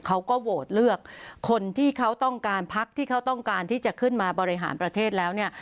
เขาก็โหวตเลือกคนที่เขาต้องการพักที่เขาต้องการที่จะขึ้นมาบริหารประเทศแล้วเนี่ย